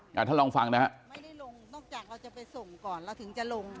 ท่านลองฟังนะฮะไม่ได้ลงนอกจากเราจะไปส่งก่อนเราถึงจะลง